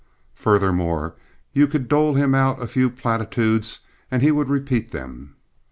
Furthermore, you could dole him out a few platitudes and he would repeat them.